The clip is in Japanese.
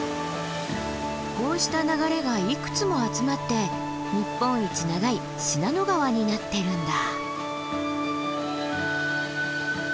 こうした流れがいくつも集まって日本一長い信濃川になってるんだ！